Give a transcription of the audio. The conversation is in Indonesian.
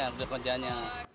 iya lebih ke kerjanya